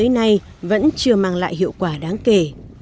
ngày tới nay vẫn chưa mang lại hiệu quả đáng kể